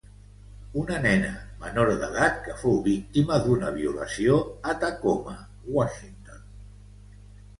Una nena menor d'edat que fou víctima d'una violació a Tacoma, Washington.